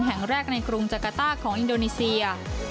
แห่งแรกในกรุงจักรต้าของอินโดนีเซีย